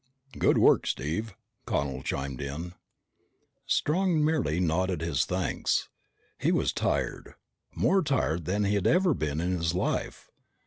"Good work, Steve," Connel chimed in. Strong merely nodded his thanks. He was tired. More tired than he had ever been in his life.